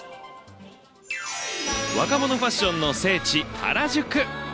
若者ファッションの聖地、原宿。